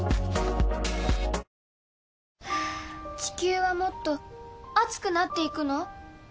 地球はもっと熱くなっていくの？